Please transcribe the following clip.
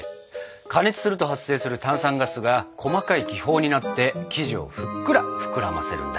加熱すると発生する炭酸ガスが細かい気泡になって生地をふっくら膨らませるんだ。